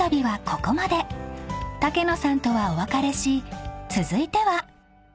［武野さんとはお別れし続いては］